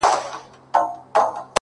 • موږ به خپل دردونه چیري چاته ژاړو ,